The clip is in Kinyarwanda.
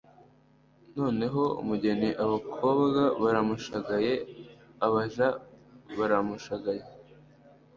noneho umugeni abakobwa baramushagaye, abaja baramushagaye